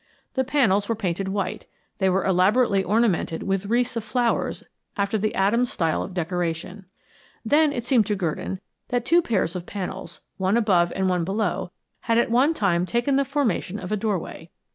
The panels were painted white; they were elaborately ornamented with wreaths of flowers after the Adams' style of decoration. Then it seemed to Gurdon that two pairs of panels, one above and one below, had at one time taken the formation of a doorway.